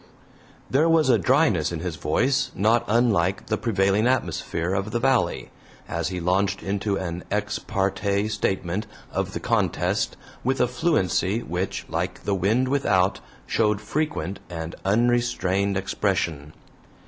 There was a dryness in his voice not unlike the prevailing atmosphere of the valley, as he launched into an EX PARTE statement of the contest, with a fluency, which, like the wind without, showed frequent and unrestrained expression.